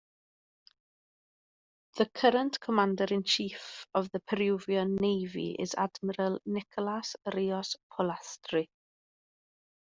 The current Commander-in-Chief of the Peruvian Navy is Admiral Nicolas Rios Polastri.